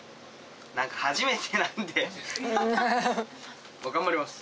何か初めてなんで頑張ります